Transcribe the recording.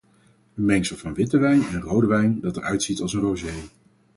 Een mengsel van witte wijn en rode wijn dat er uitziet als een rosé.